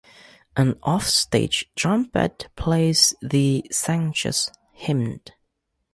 An offstage trumpet plays the Sanctus hymn.